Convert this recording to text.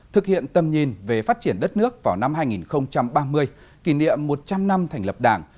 thực hiện tầm nhìn về phát triển đất nước vào năm hai nghìn ba mươi kỷ niệm một trăm linh năm thành lập đảng